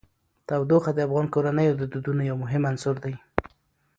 تودوخه د افغان کورنیو د دودونو یو مهم عنصر دی.